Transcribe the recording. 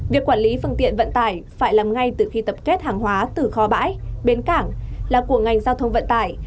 việc quản lý phương tiện vận tải phải làm ngay từ khi tập kết hàng hóa từ kho bãi bến cảng là của ngành giao thông vận tải